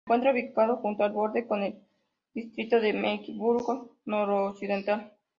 Se encuentra ubicado junto al borde con el distrito de Mecklemburgo Noroccidental.